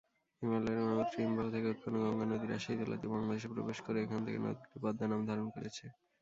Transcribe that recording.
হিমালয়ের গঙ্গোত্রী হিমবাহ থেকে উৎপন্ন গঙ্গা নদী রাজশাহী জেলা দিয়ে বাংলাদেশে প্রবেশ করে, এখান থেকে নদীটি পদ্মা নাম ধারণ করেছে।